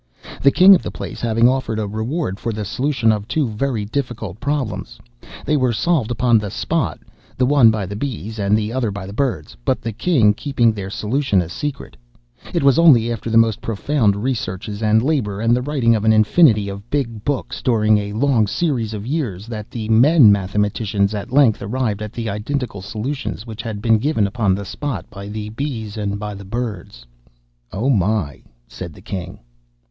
The king of the place having offered a reward for the solution of two very difficult problems, they were solved upon the spot—the one by the bees, and the other by the birds; but the king keeping their solution a secret, it was only after the most profound researches and labor, and the writing of an infinity of big books, during a long series of years, that the men mathematicians at length arrived at the identical solutions which had been given upon the spot by the bees and by the birds.'" (*16) "Oh my!" said the king.